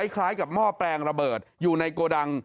คล้ายกับหม้อแปลงระเบิดอยู่ในโกดัง